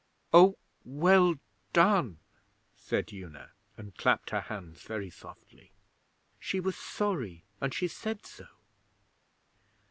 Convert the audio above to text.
'Oh, well done!' said Una, and clapped her hands very softly. 'She was sorry, and she said so.'